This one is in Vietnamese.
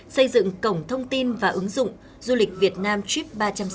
xây dựng cổng thông tin và ứng dụng du lịch việt nam trip ba trăm sáu mươi